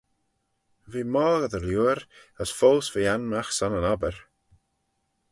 V'eh moghey dy liooar as foast v'eh anmagh son yn obbyr.